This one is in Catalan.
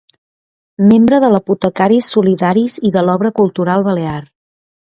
Membre d'Apotecaris Solidaris i de l'Obra Cultural Balear.